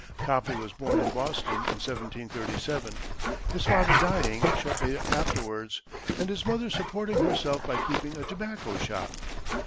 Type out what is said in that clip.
Copley was born in Boston in 1737, his father dying shortly afterwards, and his mother supporting herself by keeping a tobacco shop.